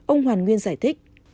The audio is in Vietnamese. ông hoàn nguyên giải thích